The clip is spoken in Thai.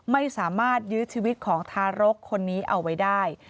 ไม่สามารถยื้อชีวิตของทารกคนนี้เอาไว้ได้